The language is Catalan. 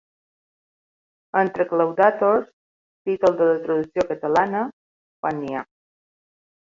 Entre claudàtors, títol de la traducció catalana, quan n'hi ha.